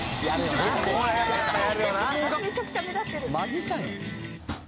マジシャンやん。